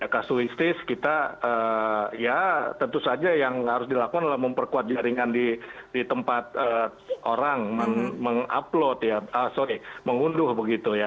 kasuistis kita ya tentu saja yang harus dilakukan adalah memperkuat jaringan di tempat orang mengupload ya sorry mengunduh begitu ya